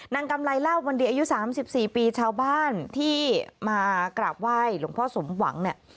กำไรลาบวันดีอายุ๓๔ปีชาวบ้านที่มากราบไหว้หลวงพ่อสมหวังเนี่ย